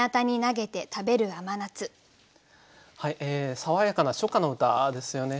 爽やかな初夏の歌ですよね。